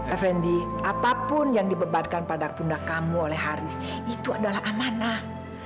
effendi apapun yang dibebankan pada pundak kamu oleh haris itu adalah amanah